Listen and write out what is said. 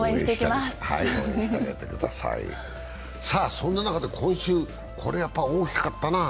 そんな中、今週これが大きかったな。